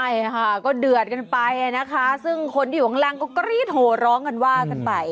ใช่ค่ะก็เดือดกันไปนะคะซึ่งคนที่อยู่ข้างล่างก็กรี๊ดโหร้องกันว่ากันไป